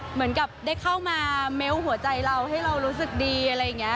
เหมือนกับได้เข้ามาเมล์หัวใจเราให้เรารู้สึกดีอะไรอย่างนี้